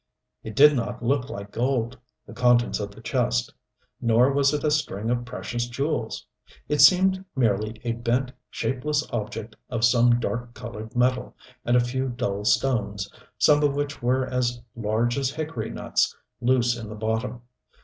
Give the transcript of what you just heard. It did not look like gold the contents of the chest. Nor was it a string of precious jewels. It seemed merely a bent, shapeless object of some dark colored metal, and a few dull stones, some of which were as large as hickory nuts, loose in the bottom.